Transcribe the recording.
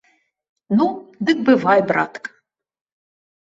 Ну, дык бывай, братка!